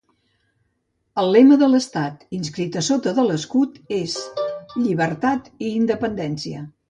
El lema de l'estat, inscrit a sota de l'escut, és "Llibertat i Independència".